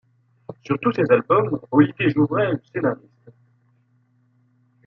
Sur tous ces albums, Olivier Jouvray est le scénariste.